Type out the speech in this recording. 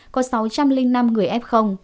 có sáu trăm linh năm người f